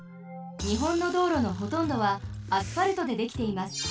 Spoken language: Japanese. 日本の道路のほとんどはアスファルトでできています。